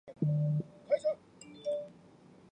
检委会专职委员万春、张志杰先后发言